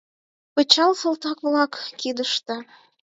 Пычал — салтак-влак кидыште.